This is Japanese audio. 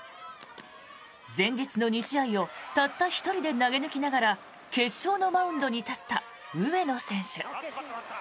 前日の２試合をたった１人で投げ抜きながら決勝のマウンドに立った上野選手。